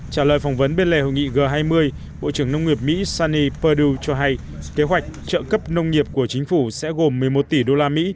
trả lời phỏng vấn bên lề hội nghị g hai mươi bộ trưởng nông nghiệp mỹ sany perdu cho hay kế hoạch trợ cấp nông nghiệp của chính phủ sẽ gồm một mươi một tỷ usd